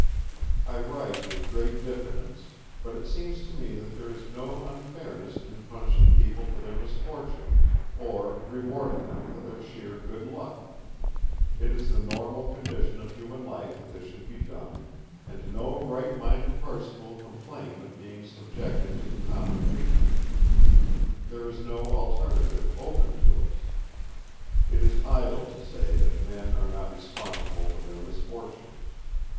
I write with great diffidence, but it seems to me that there is no unfairness in punishing people for their misfortunes, or rewarding them for their sheer good luck: it is the normal condition of human life that this should be done, and no right minded person will complain of being subjected to the common treatment. There is no alternative open to us. It is idle to say that men are not responsible for their misfortunes.